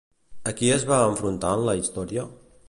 A qui es va enfrontar en la història?